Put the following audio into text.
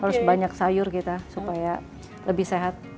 harus banyak sayur kita supaya lebih sehat